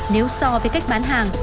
nếu so với cách bán hàng